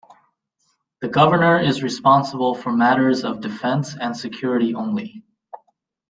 The Governor is responsible for matters of defence and security only.